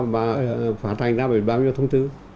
và phản hành ra với bao nhiêu thông tư